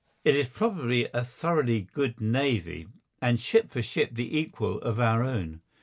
It is probably a thoroughly good navy, and ship for ship the equal of our own.